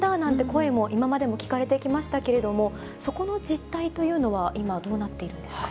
声も、今までも聞かれてきましたけれども、そこの実態というのは、今はどうなっているんですか？